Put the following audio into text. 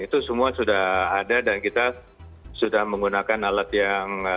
itu semua sudah ada dan kita sudah menggunakan alat yang